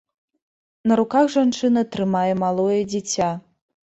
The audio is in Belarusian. На руках жанчына трымае малое дзіця.